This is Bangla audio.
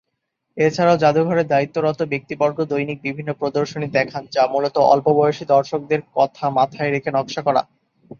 এছাড়াও জাদুঘরের দায়িত্বরত ব্যক্তিবর্গ দৈনিক বিভিন্ন প্রদর্শনী দেখান, যা মূলতঃ অল্প বয়সী দর্শকদের কথা মাথায় রেখে নকশা করা।